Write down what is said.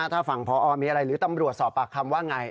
ถ้าฝั่งพอมีอะไรหรือตำรวจสอบปากคำว่าไง